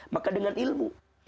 maka dengan ilmu